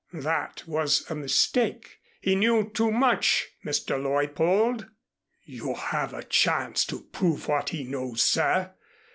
That was a mistake. He knew too much, Mr. Leuppold." "You'll have a chance to prove what he knows, sir.